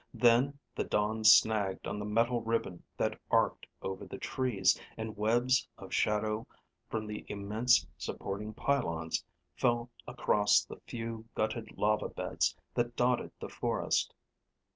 Then the dawn snagged on the metal ribbon that arced over the trees, and webs of shadow from the immense supporting pylons fell across the few, gutted lava beds that dotted the forest.